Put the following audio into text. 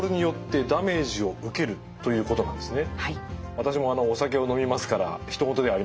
私もお酒を飲みますからひと事ではありません。